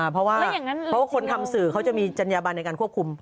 เพราะว่าคนทำสื่อเขาจะมีจัญญาบันในการควบคุม